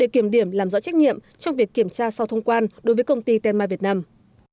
để kiểm điểm làm rõ trách nhiệm trong việc kiểm tra sau thông quan đối với công ty tenma việt nam